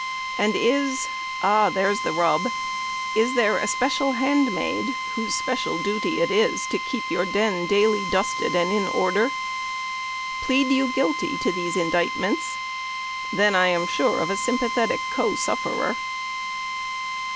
and is ah! there's the rub! is there a special hand maid, whose special duty it is to keep your den daily dusted and in order? Plead you guilty to these indictments? then am I sure of a sympathetic co sufferer.